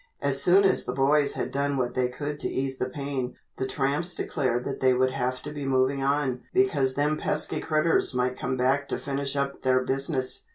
As soon as the boys had done what they could to ease the pain, the tramps declared that they would have to be moving on "because them pesky critters might come back to finish up their business."